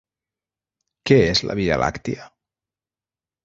Què és la Via Làctia?